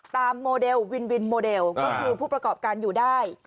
โมเดลวินวินโมเดลก็คือผู้ประกอบการอยู่ได้